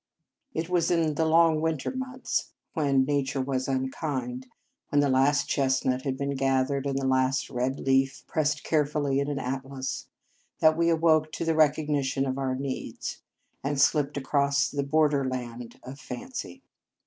It 148 Marriage Vows was in the long winter months, when nature was unkind, when the last chestnut had been gathered, and the last red leaf pressed carefully in an atlas, that we awoke to the recogni tion of our needs, and slipped across the border land of fancy.